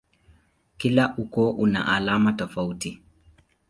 Kila ukoo una alama tofauti.